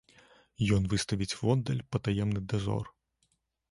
Ён выставіць воддаль патаемны дазор.